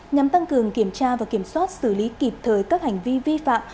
nhằm tăng cường kiểm tra và kiểm soát xử lý kịp thời các hành vi vi phạm